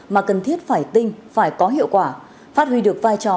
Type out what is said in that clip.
mà cần thiết phải tinh phải có hiệu quả phát huy được vai trò